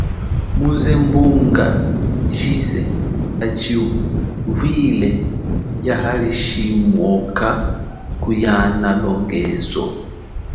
Muze mbunga jize achivwile yaalishimwoka kuhiana longeso.